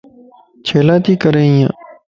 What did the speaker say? ڇيلاتي ڪري ايي؟